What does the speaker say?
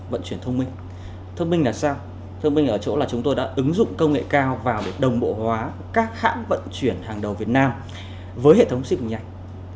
vận chuyển thông minh là chúng tôi đã ứng dụng công nghệ cao vào để đồng bộ hóa các hãng vận chuyển hàng đầu việt nam với hệ thống xip cực nhanh